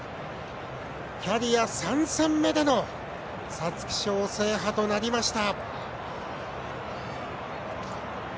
キャリア３戦目での皐月賞制覇となりました。